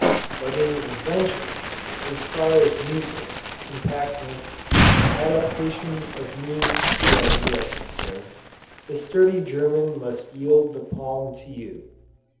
But in invention, as far as neatness, compactness, and adaptation of means to ends are concerned, the sturdy German must yield the palm to you.